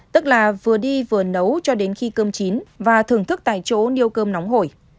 tức là vừa đi vừa nấu cho đến khi cơm chín và thưởng thức tại chỗ neo cơm nóng hổi